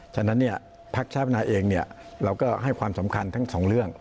ฉะนั้นเนี่ยพรรคชาติภาณาเองเนี่ยเราก็ให้ความสำคัญทั้งสองเรื่อง